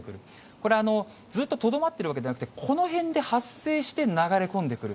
これ、ずっととどまっているわけではなくて、この辺で発生して流れ込んでくる。